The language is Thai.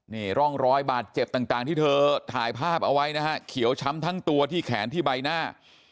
นี่ร่องรอยบาดเจ็บต่างที่เธอถ่ายภาพเอาไว้นะฮะเขียวช้ำทั้งตัวที่แขนที่ใบหน้า